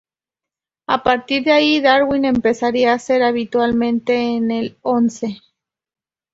A partir de ahí, Darwin empezaría a ser habitual en el once.